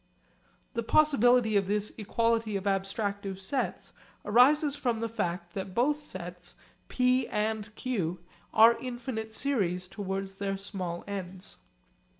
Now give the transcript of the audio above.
The possibility of this equality of abstractive sets arises from the fact that both sets, p and q, are infinite series towards their small ends.